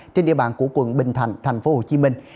trên địa bàn của quận bình thạnh thành phố hồ chí minh